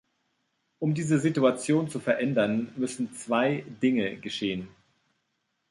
Um diese Situation zu verändern, müssen zwei Dinge geschehen.